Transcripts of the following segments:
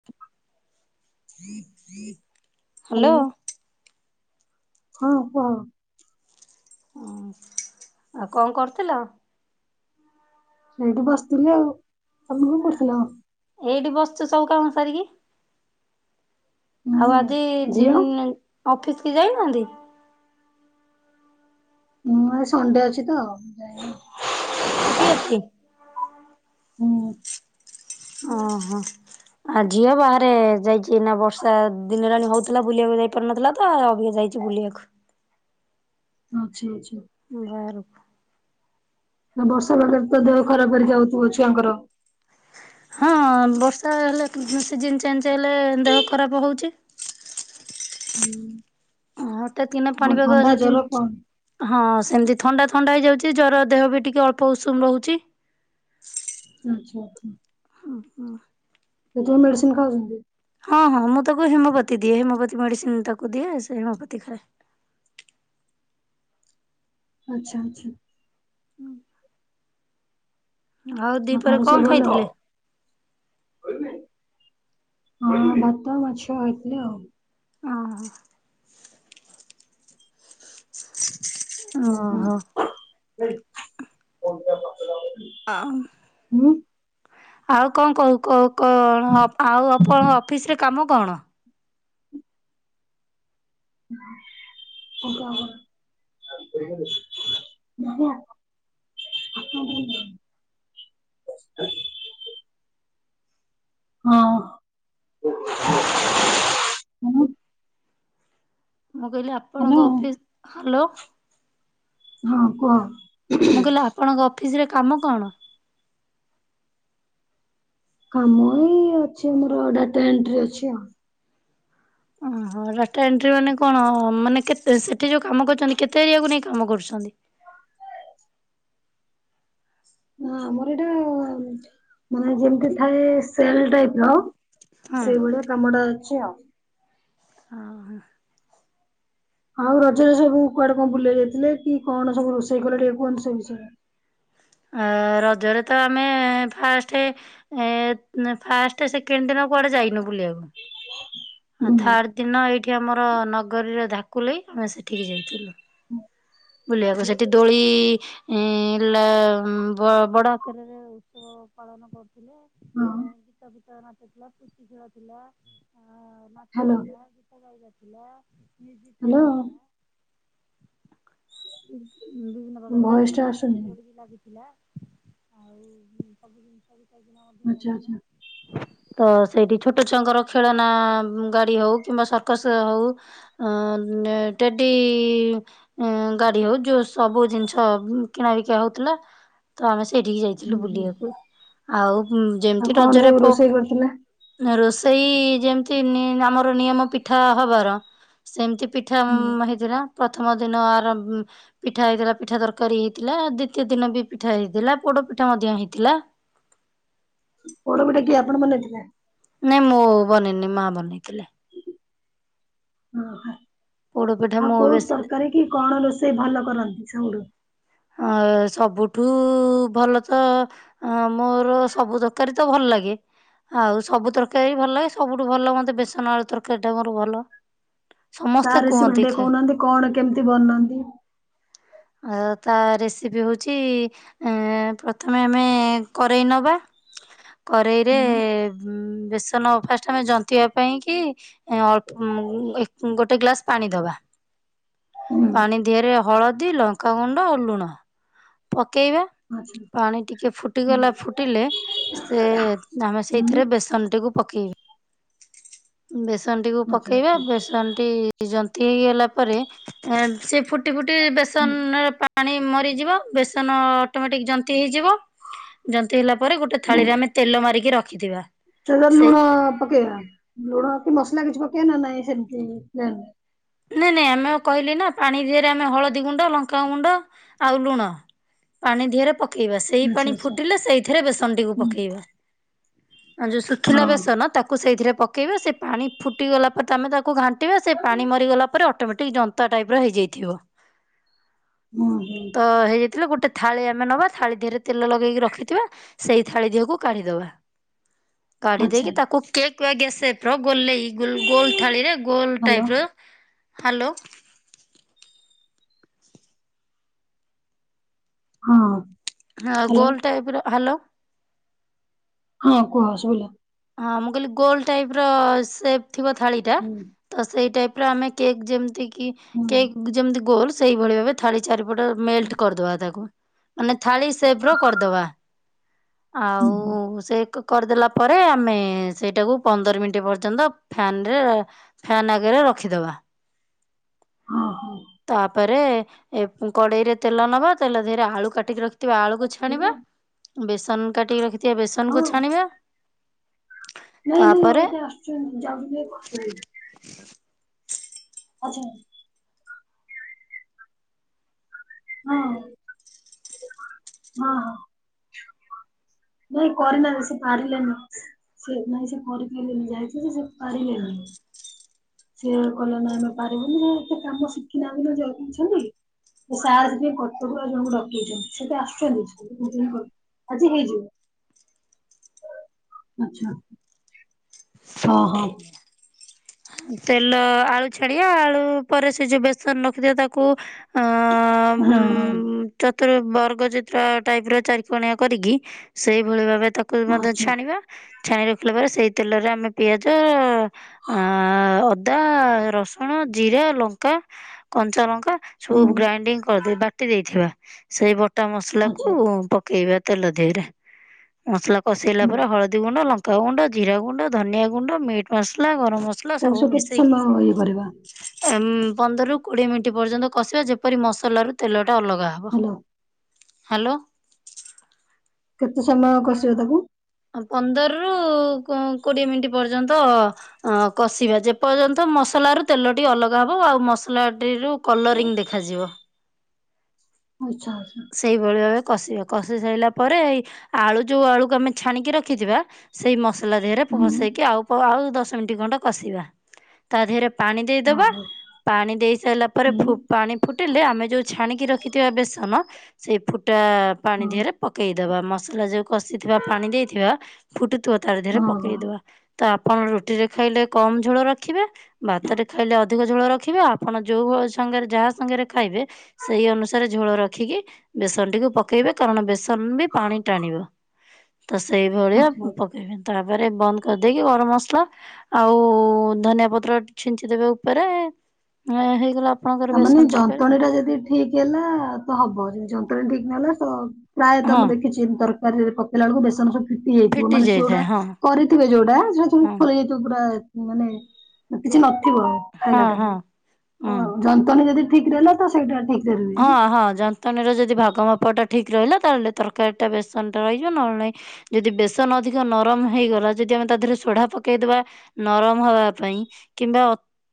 [inaudible] Hello. Hello ହଁ କୁହ। ଆଉ କଣ କରୁଥିଲ? ଏଇଠି ବସିଥିଲି ଆଉ। ତମେ କଣ କରୁଥିଲ? ଏଇଠି ବସିଚୁ ସବୁ କାମ ସାରିକି। ଆଉ ହୁଁ ଆଜି ଝିଅ ଉଁ ଅଫିସ କି ଯାଇନାହାନ୍ତି? ମୁଁ ଆଜି ସଣ୍ଡେ ଅଛି ତ। ଛୁଟି ଅଛି? ହୁଁ ଅ ହଁ। ଆ ଝିଅ ବାହାରେ ଯାଇଚି ଏଇନା ବର୍ଷା ଦି ଦିନି ହେଲାଣି ହଉଥିଲା ବୁଲିବାକୁ ଯାଇପାରୁନଥିଲା ତ ଅବିକା ଯାଇଚି ବୁଲିବାକୁ। ଆଛା ଆଛା। ବାହାରକୁ। ନା ବର୍ଷା ପାଗ ରେ ତ ଦେହ ଖରାପ ହେରିକା ହଉଥିବ ଛୁଆଙ୍କର। ହଁ ବର୍ଷା ହେଲେ ସିଜିନ୍ ଚେଞ୍ଜ ହେଲେ ଦେହ ଖରାପ ହଉଚି। ହୁଁ। ହଠାତ୍ କିନା କଣ ପାଣି ପାଗ ଥଣ୍ଡା ଜର ସିଜିନ୍ କଣ? ହଁ ସେମିତି ଥଣ୍ଡା ଥଣ୍ଡା ହେଇଯାଉଛି ଜର ଦେହ ବି ଟିକେ ଅଳପ ଉଷୁମ ରହୁଚି। [inaudible] ଆଛା ଆଛା। ଝିଅ ମେଡିସିନ ଖାଉଛନ୍ତି? ହଁ ହଁ ମୁଁ ତାକୁ ହିମୋପାଥି ଦିଏ ହିମୋପାଥି ମେଡ଼ିସିନ ତାକୁ ଦିଏ ସେ ହିମୋପାଥି ଖାଏ। ଆଚ୍ଛା ଆଚ୍ଛା। [unintelligible] ଆଉ ଦିପହରେ ଘରେ କଣ ସବୁ ଭଲ? ଖାଇଥିଲେ? ହଁ ଭାତ ମାଛ ହେଇଥିଲା ଆଉ ଅ ହଁ। ହୁଁ ହୁଁ। ଓହୋ। [inaudible] [unintelligible] [unintelligible] ଆଉ କଣ କହୁ କହୁ କ କଣ ଆଉ ଆପଣଙ୍କ ଅଫିସରେ କାମ କଣ? [unintelligible] [unintelligible] ହଁ। [inaudible] ମୁଁ କହିଲି ହ୍ୟାଲୋ ଆପଣଙ୍କ ଅଫିସ୍ ହ୍ୟାଲୋ। ହଁ କୁହ। ମୁଁ କହିଲି ଆପଣଙ୍କ ଅଫିସ ରେ କାମ କଣ? କାମ ଏଇ ଅଛି ଆମର ଡାଟା ଏଣ୍ଟ୍ରି ଅଛି ଆଉ। ଓହୋ। ଡାଟା ଏଣ୍ଟ୍ରି ମାନେ କଣ ମାନେ କେତେ ସେଠି ଯୋଉ କାମ କରୁଛନ୍ତି କେତେ ଏରିଆକୁ ନେଇ କାମ କରୁଛନ୍ତି? ଆମର ଏଇଟା ମାନେ ଯେମିତି ଥାଏ ସେଲ ଟାଇପ ର ହଁ। ସେଇଭଳିଆ କାମ ଟା ଅଛି ଆଉ। ଓ ହୋ। ଆଉ ରଜରେ ସବୁ କୁଆଡେ କଣ ବୁଲେଇ ଯାଇଥିଲେ। କି କଣ ସବୁ ରୋଷେଇ କଲେ ଟିକେ କୁହନ୍ତୁ ସେ ବିଷୟରେ। ରଜରେ ତ ଆମେ ଫାଷ୍ଟ ଏ ଫାଷ୍ଟ ସେକେଣ୍ଡ ଦିନ କୁଆଡେ ଯାଇନୁ ବୁଲିବାକୁ। ଆଉ ହୁଁ। ଥାର୍ଡ଼ ଦିନ ଏଇଠି ଆମର ନଗରୀରେ ଧାକୁଲେଇ ଆମେ ସେଠିକି ଯାଇଥିଲୁ। ବୁଲିବାକୁ ସେଠି ଦୋଳି ଇ ହେଲା ବଡ ଆକାରରେ। ଉତ୍ସବ ପାଳନ କରୁଥିଲେ ହଁ ଏଁ ଗୀତ ଫିତ ନାଚୁ ଥିଲା ପୁଚିଖେଳ ଥିଲା ଆ ହ୍ୟାଲୋ ଥିଲା ଗୀତ ଗାଇବା ଥିଲା ମ୍ୟୁଜିକ ଚେୟାର ହ୍ୟାଲୋ ଥିଲା। ବିଭିର୍ନ ପ୍ରକାର ଭଏସ ଟା ଥିଲା [inaudible] ଆସୁନି ଦୋଳିବି ଲାଗିଥିଲା। ଆଉ ସବୁଜିନିଷ ବି ସେଦିନ ଧୁମ ଆଚ୍ଛା ହେଇଥିଲା। ଆଚ୍ଛା ତ ସେଇଠି ଛୋଟ ଛୁଆଙ୍କର ଖେଳନା ଗାଡି ହଉ କିମ୍ବା ସରକସ ହଉ ଅ ଟେଡି ଇ ଅଁ ଗାଡି ହଉ ଯୋଉ ସବୁ ଜିନିଷ କିଣା ବିକା ହଉଥିଲା ତ ଆମେ ସେଇଠିକି ଯାଇ ହୁଁ ଥିଲୁ ହୁଁ ବୁଲିବାକୁ ଆଉ ଆଉ ଯେମିତି କଣ ରଜରେ ସବୁ ପ ରୋଷେଇ କରିଥିଲେ ରୋଷେଇ ଯେମତି ଆମର ନିୟମ ପିଠା ହବାର ସେମିତି ପିଠା ହୁଁ ହେଇଥିଲା ପ୍ରଥମ ଦିନ ଆର ପିଠା ହେଇଥିଲା ପିଠା ତରକାରୀ ହେଇଥିଲା ଦ୍ୱିତୀୟ ଦିନ ବି ପିଠା ହେଇଥିଲା ପୋଡ଼ ପିଠା ମଧ୍ୟ ହେଇଥିଲା। ପୋଡ଼ ପିଠା କିଏ ଆପଣ ବନେଇ ଥିଲେ? ନାଇଁ ମୁଁ ବନେଇନି ମା ବନେଇଥିଲେ। ଆଉ ପୋଡପିଠା ମୁଁ କୋଉ ବେଶୀ ତରକାରୀ କି କଣ ରୋଷେଇ ଭଲ କରନ୍ତି ସବୁଠୁ। ଅ ସବୁଠୁ ଭଲ ତ ଅ ମୋର ସବୁ ଦରକାରୀ ତ ଭଲ ଲାଗେ। ଆଉ ସବୁ ତରକାରୀ ବି ଭଲ ଲାଗେ ସବୁଠୁ ଭଲ ମୋତେ ବେସନ ଆଳୁ ତରକାରୀ ଟା ମୋର ଭଲ। ତା ସମସ୍ତେ ରେସିପି କୁହନ୍ତି ଟିକେ ଖା କହୁନାହାନ୍ତି କଣ କେମିତି ବନାନ୍ତି? ଆ ତା ରେସିପି ହଉଛି ପ୍ରଥମେ ଆମେ କରେଇ ନବା। କରେଇରେ ହୁଁ ବେସନ ଫାଷ୍ଟ ଆମେ ଜନ୍ତିବା ପାଇଁ କି। ଏ ଅଳ୍ପ ଉଁ ଉଁ ଗୋଟେ ଗ୍ଲାସ ପାଣି ଦବା। ହୁଁ ପାଣି ଦିହରେ ହଳଦୀ ଲଙ୍କାଗୁଣ୍ଡ ଓ ଲୁଣ। ପକେଇବା ଆଚ୍ଛା ପାଣି ଟିକିଏ ହୁଁ ଫୁଟିଗଲା ଫୁଟିଲେ ସେ ଆମେ ହୁଁ ସେଇଥିରେ ବେସନଟିକୁ ପକେଇବା। ବେସନ ଟିକୁ ଆଚ୍ଛା ପକେଇବା ଆଚ୍ଛା ବେସନ ଟି ଜନ୍ତି ହେଇଗଲା ପରେ ସେ ଫୁ ଫୁଟି ଫୁଟି ହୁଁ ବେସନ୍ର ପାଣି ମରିଯିବ। ବେସନ ଅଟୋମେଟିକ ଜନ୍ତି ହେଇଯିବ ଜନ୍ତି ହେଲା ପ ପରେ ଗୋଟେ ଥାଳିରେ ଆମେ ତେଲ ମାରିକି ରଖିଥିବା। ଚାଲ ସେ ଲୁଣ ପକେଇବା ଲୁଣ କି ମସଲା କିଛି ପକେଇବା ନା ନାଇଁ ସେମିତି ପ୍ଲେନ। ନାଇଁ ନାଇଁ ଆମେ କହିଲି ନା ପାଣି ଦିହରେ ଆମେ ହଳଦୀ ଗୁଣ୍ଡ ଲଙ୍କାଗୁଣ୍ଡ ଆଉ ଲୁଣ। ପାଣି ଦିହରେ ପକେଇବା ସେଇ ଆଚ୍ଛା ପାଣି ଆଚ୍ଛା ଫୁଟିଲେ ସେଇଥିରେ ବେସନଟିକୁ ହୁଁ ପକେଇବା। ଯୋଉ ଶୁଖିଲା ହଁ ବେସନ ତାକୁ ସେଇଥିରେ ପକେଇବା ସେ ପାଣି ଫୁଟିଗଲା ପରେ ତ ଆମେ ତାକୁ ଘାଣ୍ ଘାଣ୍ଟିବା ସେ ପାଣି ମରିଗଲା ପରେ ଅଟୋମେଟିକ ଜନ୍ତା ଟାଇପର ହେଇଯାଇଥିବ। ହୁଁ ହୁଁ। ତ ହେଇଯାଇଥିଲେ ଗୋଟେ ଥାଳି ଆମେ ନବା ଥାଳି ଦିହରେ ତେଲ ଲଗେଇକି ରଖିଥିବା। ସେଇ ଥାଳି ଦିହକୁ କାଢିଦବା। କାଢି ଆଚ୍ଛା ଦେଇକି ତାକୁ କେକ୍ ବା ଗ୍ୟାସ୍ପର ଗୋଲେଇ ଗୋଲ ଥାଳିରେ ଗୋଲ ହାଲୋ ଟାଇପ ର ହାଲୋ। ହଁଅଁ। ହଁ ଗୋଲ ଟାଇପ ର ହାଲୋ ହଁ କୁହ ଶୁଵିଲା। ହଁ ମୁଁ କଇଲି ଗୋଲ ଟାଇପ୍ ର ସେପ୍ ଥିବ ଥାଳି ଟା ହୁଁ ତ ସେଇ ଟାଇପ ର ଆମେ କେକ୍ ଯେମିତି କି ହୁଁ କେକ୍ ଯେମତି ଗୋଲ ସେଇଭଳି ଭାବେ ଥାଳି ଚାରିପଟ ମେଲଟ କରଦବା ତାକୁ ମାନେ ଥାଳି ସେପ୍ ର କରଦବା। ହୁଁ ଆଉ ସେକ କ କରିଦେଲା ପରେ ରେ ଆମେ ସେଇଟାକୁ ପନ୍ଦର ମିଣ୍ଟି ପର୍ଯ୍ୟନ୍ତ ଫ୍ୟାନ୍ ରେ ଫ୍ୟନ୍ ଆଗରେ ରଖିଦବା। ଅହୋ। ତାପରେ ଏ କଡ଼େଇରେ ତେଲ ନବା ତେଲ ଧିଅରେ ଆଳୁ କାଟିକି ରଖିଥିବା ଆଳୁକୁ ଛେ ଆଣିବା ଶୁଭିଲା? ବେସନ କାଟିକି ରଖିଥିବା ହଁ ବେସନକୁୁ ଛାଣିବା। ନାଇଁ ନାଇଁ ତାପରେ ଏଇତ ଆସୁଚନ୍ ଯାଉଚନ୍ତି ଏଇ [inaudible] ଅଜଏ ହଁ। ହଁ ନାଇଁ କରିନାଇଁ ସେ ପାରିଲେନି। ସେ ନାଇଁ ସେ କରିପାଇଲଜନି ଯାଇଥିଲେ ଯେ ସେ ପାରିଲେନି। ସିଏ କହିଲେ ନାଁ ଆମେ ପାରିବୁନି ଆଉ ଏତେ କାମ ଶିଖିନାହାନ୍ତି ଯେ ଜଗିଛନ୍ତି। ଏ ସାର୍ ସେଥିଆଇଁ କଟକରୁ ଆଉ ଜଣଙ୍କୁ ଡକେଇଚନ୍ତି ସେ ତ ଆସୁଚନ୍ତି ଝଲି କରିଏ କ ଆଜି ହେଇଯିବ। ଆଚ୍ଛା ଅହ। ତେଲ ଆଳୁ ଛାଡି଼ଆ ଆଳୁ ପରେ ସେ ଯୋଉ ବେସନ ରଖିଥିଆ ତାକୁ ହଁ ହଉ। ଚତୁର୍ ବର୍ଗ ଚିତ୍ର ଟାଇପ୍ ର ଚାରି କୋଣିଆ କରିକି ସେଇଭଳି ଭାବେ ତା ପୋଇ ମଧ୍ୟ ଆଚ୍ଛା ଛାଣିବା ଛାଣି ରଖିଲା ପରେ ସେଇ ତେଲରେ ଆମେ ପିଆଜ ଅଁ ଅଦା ରସୁଣ ଜିରା ଲଙ୍କା କଞ୍ଚାନଙ୍କ୍ ପା ସବୁ ହୁଁ ଗ୍ରାଇଣ୍ଡିଙ୍ଗ୍ କରିଦେଇ ବାଟି ଦେଇଥିବା ସେଇ ବଟା ମସଲାକୁ ଆଚ୍ଛା ପ କେଇବା ତେଲ ଧିଅରେ ମସଲା କଷେଇଲା ହୁଁ। ପରେ ହଳଦୀ ଗୁଣ୍ଡ ଲଙ୍କା ଗୁଣ୍ଡ ଜିରା ଗୁଣ୍ଡ ଧନିଆ ଗୁଣ୍ଡ ମିଟ୍ ମସଲା ଗରମ ମ ତାକୁ ସ କେତେ ସମ ଇଏ କରିବା? ଏମ୍ ପନ୍ଦରରୁ କୋଡ଼ିଏ ମିଣ୍ଟି ପର୍ଯ୍ୟନ୍ତ କଷିବା ଯେପରି ମସଲାରୁ ତେଲଟା ଅଲଗା ହବ। Hello hello. କେତେ ସମୟ କଷିବ ତାକୁ? ଅଁ ପନ୍ଦରରୁ କୋ କୋଡ଼ିଏ ମିଣ୍ଟି ପର୍ଯ୍ୟନ୍ତ ଅ କଷିବା ଯେପର୍ଯ୍ୟନ୍ତ ମସଲାରୁ ତେଲଟି ଅଲଗା ହବ ଆଉ ମସଲାଟିରୁ କଲରିଂ ଦେଖାଯିବ। ଆଚ୍ଛା ଆଚ୍ଛା। ସେଇଭଳି ଭାବେ କଷିବେ କଷି ସାଇଲା ପରେ ଏଇ ଆଳୁ ଯୋଉ ଆଳୁକୁ ଆମେ ଛାଣିକି ରଖିଥିବା ସେଇ ମ ସଲା ଦେହରେ ପ ହୁଁ ଭସେଇକି ଆଉ ପ ଆଉ ଦଶ ମିଣ୍ଟି ଖଣ୍ଡେ କଷିବା। ତା ଧିଅରେ ପାଣି ଦେଇଦବା ଓହୋ ପାଣି ଦେଇ ସାଇଲା ପରେ ହୁଁ ଫୁ ପାଣି ଫୁଟିଲେ ଆମେ ଯୋଉ ଛାଣିକି ରଖିଥିବା ବେସନ ସେଇ ଫୁଟା ପାଣି ହଁ ଧିଅରେ ପକେଇ ଦେବା ମସଲା ଯୋଉ କଷିଥିବା ପାଣି ଦେଇଥିବା ଫୁଟୁଥୁବ ତାରି ଦେହରେ ହଁ ହଁ ପକେଇଦବା। ତ ଆପଣ ରୁଟିରେ ଖାଇଲେ କମ୍ ଝୋଳ ରଖିବେ। ଭାତରେ ଖାଇଲେ ଅ ଧିକ ଝୋଳ ରଖିବେ ଆପଣ ଯୋଉ ଅ ସଙ୍ଗରେ ଯାହା ସିଙ୍ଗେରେ ଖାଇବେ ସେଇ ଅନୁସାରେ ଝୋଳ ରଖିକି ବେସନଟିକୁ ପକେଇବେ କାରଣ ବେସନ ବି ପାଣି ଟାଣିବ। ତ ସେଇ ଭଳିଆ ଉଁ ଆଚ୍ଛା। ପକେଇବେ ତାପରେ ବନ୍ଦ କରିଦେଇକି ଗରମ ମସଲା ଆଉ ଧନିଆ ପତ୍ର ଛିଞ୍ଚି ଦେବେ ଓପରେ ଆ ହେଇଗଲା ଆପଣଙ୍କର ଆମାନେ ବେସନ ତରକାରୀ ଆଉ। ଜନ୍ତଣୀଟା ଯଦି ଠି ଠିକ୍ ହେଲା ତ ହବ ଜନ୍ତଣୀ ଠିକ୍ ନହେଲା ତ ପ୍ରାୟତ ହଁ ମୁଁ ଦେଖିଚି ତର କାରିରେ ପକେଇଲା ଅଳୁକୁ ବେସନ ସବୁ ଫିଟି ଯାଇଥିବ ମାନେ ସେଉଡ଼ା ଯାଇଥାଏ ହଁ କରିଥିବେ ଯୋଉଡ଼ା ଯୋଉ ସବୁ ହଁ ଫୁ ଏଇ ଯୋଉ ପୁରା ମାନେ କିଛି ନଥିବ ହଁ ହଁ ଖାଇଲାଟାକୁ ହଁ। ଜନ୍ତୁଣୀ ଯଦି ଠିକ୍ ରହିଲା ତ ସେଇଟା ଠିକ୍। ହଁ ହଁ ଜ ତାନେ ଯୋଉ ଯଦି ଭାଗ ମାପଟା ଠିକ୍ ରହିଲା ତାହେଲେ ତରକାରୀଟା ବେସନଟା ରହିଯିବ ନହେଲେ ନାଇଁ ଯଦି ବେସନ ଅଧିକ ନରମ ହେଇଗଲା ଯଦି ଆମେ ତା ଦେହରେ ସୋଢ଼ା ପକେଇଦବା ନରମ ହବା ପାଇଁ କିମ୍ବା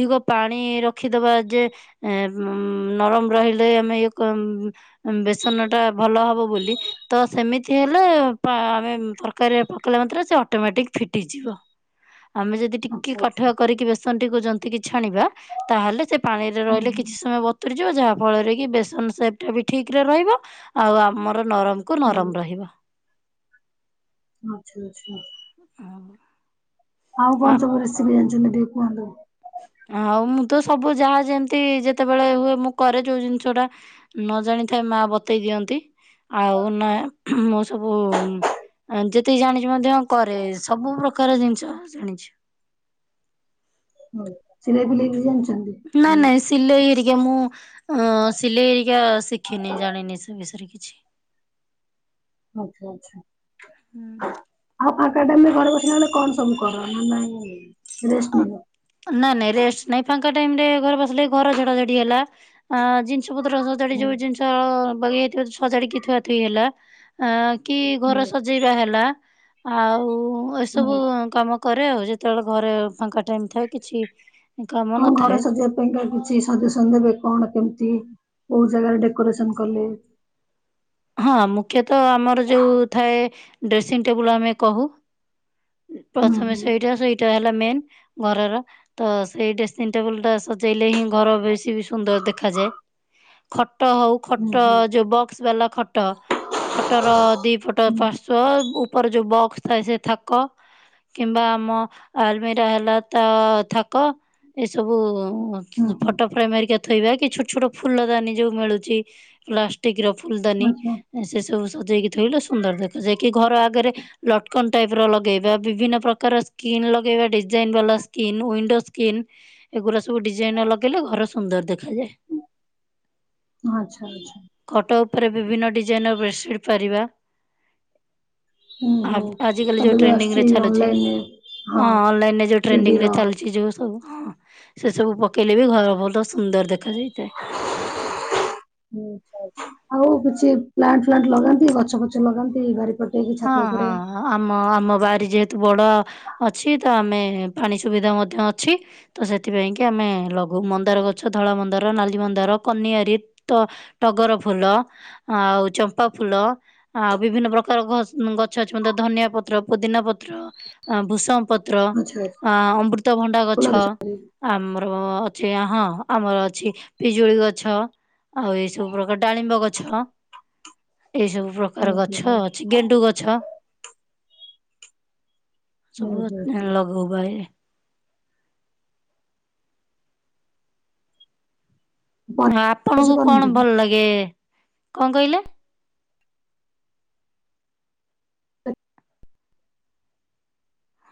ଧିକ ପାଣି ରଖିଦବା ଯେ ଏ ଉଁ ନରମ ରହି ଦେଇ ଆମେ ଏଇଆକୁ ଉମ, ଉମ ବେସନ ଟା ଭଲ ହବ ବୋଲି ତ ସେମିତି ହେଲେ ପାଁ ଆମେ ତରକାରୀରେ ପକେଇଲା ମାତ୍ରେ ସେ ଅଟୋମେଟିକ ଫିଟିଯିବ। ଆମେ ଯଦି ଟିକ କେ ଆଚ୍ଛା ଆଚ୍ଛା କାଠୁଆ କରିକି ବେସନ ଟିକୁ ଜନ୍ତିକିି ଛାଣିବା, ତାହେଲେ ସେ ପାଣିରେ ହୁଁ ରହିଲେ କି କିଛି ସମୟ ବତୁରିଯିବ, ଯାହା ଫଳରେ କି ବେସନ ସେପ୍ ଟା ବି ଠିକ ରେ ରହିବ ଆଉ ଆମର ନରମ କୁ ହୁଁ ନରମ ରହିବ। ଅଁ ଆଛା! ଆଛା! [unintelligible] ଆଉ ଆ କଣ ସବୁ ରେସିପି ଜାଣିଛନ୍ତି? ଟିକେ କୁହନ୍ତୁ। ଆଉ ମୁଁ ତ ସବୁ ଯାହା ଯେମତି ଯେତେବେଳେ ହୁଏ ମୁଁ କରେ ଯୋଉ ଜିନିଷ ଟା ନ ଜାଣିଥାଏ ମା ବତେଇ ଦିଅନ୍ତି। ଆଉ ନା ମୁଁ ସବୁ ଯେତିକି ଜାଣିଛି ମଧ୍ୟ କରେ ସବୁ ପ୍ରକାର ଜିନିଷ ଜାଣିଛି। ହଉ ସିଲେଇ ଫିଲେଇ ବି ଜାଣିଛନ୍ତି? ନାଇ ହୁଁ ନାଇଁ ସିଲେଇ ହେରିକା ମୁଁ, ଅ ସିଲେଇ ହେରିକା ଶିଖିନି ଜାଣିନି ସେ ବିଷୟରେ କିଛି ଆଛା ଆଛା ହୁଁ ଉଁ ଆଉ ପାଙ୍କା ଟାଇମ ଘରେ ବସିଲା ବେଳେ କଣ ସବୁ କର ନା ନାଇଁ ରେଷ୍ଟ ନିଅ? ନାଇଁ ନାଇଁ ରେଷ୍ଟ ନାଇଁ, ଫାଙ୍କା ଟାଇମ ରେ ଘରେ ବସିଲେ, ଘର ଝଡା ଝଡି ହେଲା, ଜିନିଷ ପତ୍ର ସଜାଡି ହୁଁ ଯୋଉ ଜିନିଷ ବଗି ଯାଇଥିବ ସଜାଡିକି ଥୁ ଆଥୁଇ ହେଲା ଅ କି ଘର ହୁଁ ସଜେଇବା ହେଲା ଆଉ ହୁଁ ଏସବୁ କାମ କରେ ଆଉ, ଯେତେବେଳେ ଘରେ ଫାଙ୍କା ଟାଇମ ଥାଏ କିଛି କାମ କଣ ଘରେ ନଥାଏ ସଜେ ପାଇଁକା କିଛି ସଜେସନ ଦେବେ କଣ କେମିତି କୋଉ ଜାଗାରେ ଡେକୋରେସନ କଲେ? ହଁ ମୁଖ୍ୟତଃ ଆମର ଯୋଉ ଥାଏ ଡ୍ରେସିଂ ଟେବୁଲ ଆମେ କହୁ। ହୁଁ ପ୍ରଥମେ ହୁଁ ସେଇଟା, ସେଇଟା ହେଲା ମେନ୍ ଘରର ତ ସେଇ ଡ୍ରେସିଂ ଟେବୁଲ ଟା ସଜେଇଲେ ହିଁ ଘର ବେଶୀ ବି ସୁନ୍ଦର ଦେଖାଯାଏ। ଖଟ ହଉ ହୁଁ ଖଟ ହୁଁ ଯୋଉ ବକ୍ସ ବାଲା ଖଟ ଖଟ, ଖଟର ଦି ପଟ ହୁଁ ପାର୍ଶ୍ୱ ଉପର ଯୋଉ ବକ୍ସ ଥାଏ ସେ ଥାକ କିମ୍ବା ଆମ ଆଲମିରା ହେଲା ତ ଥାକ ଏସବୁ ହୁଁ ହୁଁ ଫଟୋ ଫ୍ରେମ ହେରିକା ଥୋଇବା କି ଛୋଟ ଛୋଟ ଫୁଲ ଦାନୀ ଯୋଉ ମିଳୁଛି ପ୍ଲାଷ୍ଟିକ ର ଫୁଲଦାନୀ ଆଚ୍ଛା ସେ ସବୁ ସଜେଇକି ଥୋଇଲେ ସୁନ୍ଦର ଦେଖାଯାଏ କି ଘର ଆଗରେ ଲଟକନ ଟାଇପ ର ଲଗେଇବା, ବିଭିନ୍ନ ପ୍ରକାର ସ୍କିନ୍ ଲଗେଇବା ଡି ଡିଜାଇନ ବାଲା ସ୍କିନ୍, ୱଣ୍ଡୋ ସ୍କିନ୍, ଏଗୁଡା ସବୁ ଡିଜାଇନ ଲଗେଇଲେ ଘର ସୁନ୍ଦର ଦେଖାଯାଏ। ଆଛା, ଆଛା ଖଟ ଉପରେ ବିଭିନ୍ନ ଡିଜାଇନ ର ବେଡ଼ସିଟ ପାରିବା ହୁଁ ହୁଁ ଆଜି କାଲି ଏବେ ଯୋଉ ଟ୍ରେଣ୍ଡିଂ ଆସୁଛି ରେ ଚାଲୁଛି। ଅନଲାଇନରେ ହଁ ଅନଲାଇନ ରେ ଯୋଉ ଥ୍ରୀଡି ଟ୍ରେଣ୍ଡିଂ ର ରେ ଚାଲିଛି ଯୋଉ ସବୁ, ହଁ ସେ ସବୁ ପକେଇଲେ ବି, ଘର ଭଲ ସୁନ୍ଦର ଦେଖାଯାଇଥାଏ। ଆଛା, ଆଉ କିଛି ପ୍ଲାଣ୍ଟ ଫ୍ଲାଣ୍ଟ ଲଗାନ୍ତି ଗଛ ଫଛ ଲଗାନ୍ତି ବାରିପଟ ହଁ ହଁ ହଁ ଆମ ଆମ ବାରି ଯେହେତୁ ବଡ଼ ଅଛି ତ, ଆମେ ପାଣି ସୁବିଧା ମଧ୍ୟ ଅଛି। ତ ସେଥିପାଇଁ କି ଆମେ ଲଗଉ ମନ୍ଦାର ଗଛ, ଧଳା ମନ୍ଦାର, ନାଲି ମନ୍ଦାର, କନିଆରୀ ତ ଟଗର ଫୁଲ ଆଉ ଚମ୍ପା ଫୁଲ ଆଉ ବିଭିନ୍ନ ପ୍ରକାର ଘ ଗଛ ଅଛି ଧନିଆ ପତ୍ର, ପୋଦିନା ପତ୍ର, ଭୂଷଗ ପତ୍ର ଆଚ୍ଛା ଆଚ୍ଛା ଅ ଅମୃତଭଣ୍ଡା ଗଛ ଫୁଲ ଲଗେଇ- ଆମର ଅଛି ହଁ ଆମର ଅଛି ପିଜୁଳି ଗଛ। ଆଉ ଏଇ ସବୁ ପ୍ରକାର ଡାଳିମ୍ବ ଗଛ ଏଇ ସବୁ ପ୍ରକାର ହୁଁ ହୁଁ ଗଛ ହୁଁ ଅଛି, ଗେଣ୍ଡୁ ଗଛ ହୁଁ ସବୁ ହୁଁ ହୁଁ। ଲଗଉ ବାଇରେ ହଁ ପନିପରିବା କିଛି ଆପଣଙ୍କୁ କଣ କରନ୍ତିନି ଭଲ ଲାଗେ, କଣ କହିଲେ?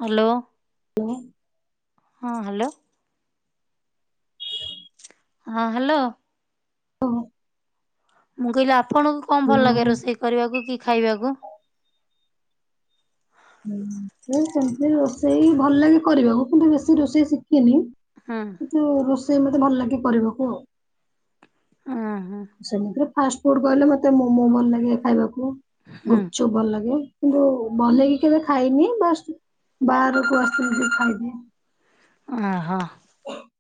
ହାଲୋ। [unintelligible] ହଁ ହାଲୋ। ହ ହଁ ହାଲୋ। ଓ ହୋ। ମୁଁ କହିଲି ଆପଣଙ୍କୁ କଣ ଭଲ ଲାଗେ ହ୍ୟାଲୋ ରୋଷେଇ କରିବାକୁ କି ଖାଇବାକୁ? ହୁଁ ମୁଁ ସେମିତି ରୋଷେଇ ଭଲ ଲାଗେ କରିବାକୁ କିନ୍ତୁ ବେଶୀ ରୋଷେଇ ଶିକିନି। ହୁଁ। ତୁ ରୋଷେଇ ମତେ ଭଲ ଲାଗେ କରିବାକୁ ଆଉ। ଓହୋ। ସେମିତିରେ ଫାଷ୍ଟ ଫୁଡ କହିଲେ ମତେ ମୋମୋ ଭଲ ଲାଗେ ଖାଇବାକୁ ହୁଁ ଗୁପଚୁ ପୁ ଭଲ ଲାଗେ କିନ୍ତୁ ବନେଇକି କେବେ ଖାଇନି ବାସ୍ ବାହାରକୁ ଆସନ୍ତୁ ଖାଇବେ। ଅ ହ [inaudible]